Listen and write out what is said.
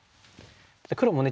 黒もね